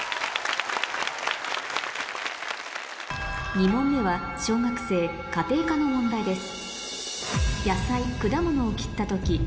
２問目は小学生家庭科の問題です